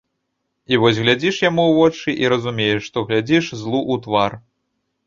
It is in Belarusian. І вось глядзіш яму ў вочы, і разумееш, што глядзіш злу ў твар.